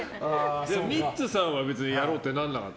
ミッツさんはやろうってならなかった？